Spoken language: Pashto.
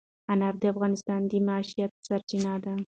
انار د افغانانو د معیشت سرچینه ده.